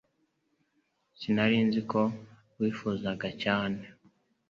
Sinari nzi ko wifuzaga cyane